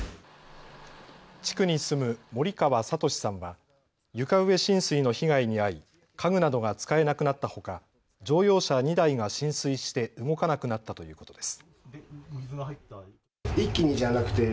地区に住む森川哲さんは床上浸水の被害に遭い家具などが使えなくなったほか乗用車２台が浸水して動かなくなったということです。